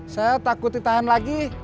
saya takut ditahan lagi